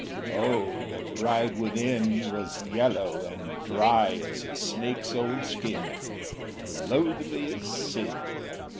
O the bride within Was yellow and dry as a snake’s old skin; Loathly as sin!